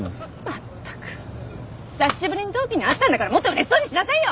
まったく久しぶりに同期に会ったんだからもっとうれしそうにしなさいよ！